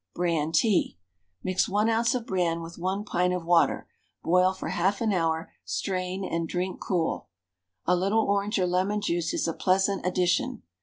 BRAN TEA. Mix 1 oz. of bran with 1 pint of water; boil for 1/2 an hour, strain, and drink cool. A little orange or lemon juice is a pleasant addition.